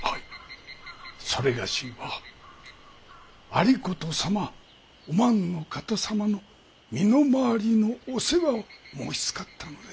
それがしは有功様お万の方様の身の回りのお世話を申しつかったのです。